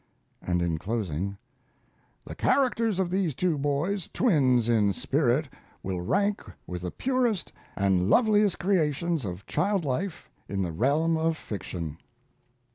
And in closing: The characters of these two boys, twins in spirit, will rank with the purest and loveliest creations of child life in the realm of fiction.